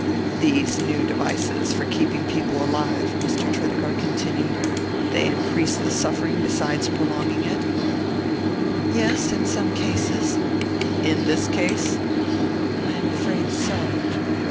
"These new devices for keeping people alive," Mr. Tredegar continued; "they increase the suffering besides prolonging it?" "Yes in some cases." "In this case?" "I am afraid so."